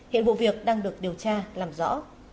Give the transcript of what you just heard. hiện vụ việc đang được điều tra làm rõ